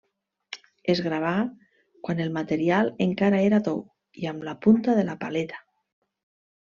Es gravà quan el material encara era tou i amb la punta de la paleta.